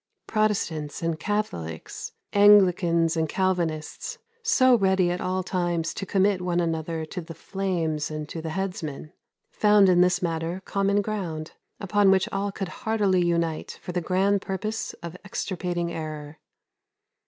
Protestants and Catholics, Anglicans and Calvinists, so ready at all times to commit one another to the flames and to the headsman, found in this matter common ground, upon which all could heartily unite for the grand purpose of extirpating error.